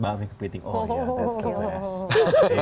bakmi kepiting oh ya that's the best